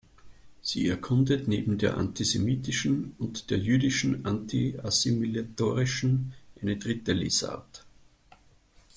Sie erkundet „neben der antisemitischen und der jüdischen anti-assimilatorischen,“ eine dritte Lesart.